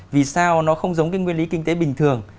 vì sao nó không giống cái nguyên lý kinh tế bình thường